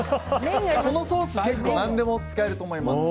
このソース結構何でも使えると思います。